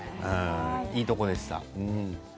いいところでした。